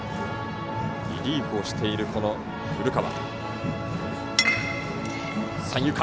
リリーフをしている古川。